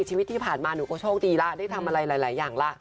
ชีวิตที่ผ่านมาหนูก็โชคดีแล้วได้ทำอะไรหลายอย่างละ